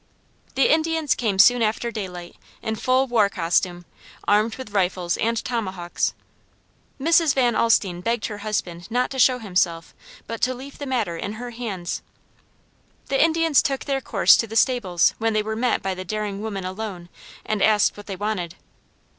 The Indians came soon after daylight in full war costume armed with rifles and tomahawks. Mrs. Van Alstine begged her husband not to show himself but to leave the matter in her hands. The Indians took their course to the stables when they were met by the daring woman alone and asked what they wanted.